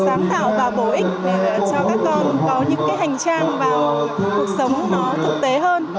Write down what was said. sáng tạo và bổ ích để cho các con có những cái hành trang vào cuộc sống nó thực tế hơn